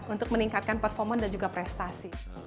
untuk meningkatkan performa dan juga prestasi